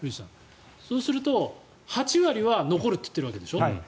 そうすると８割は残ると言っているわけでしょ。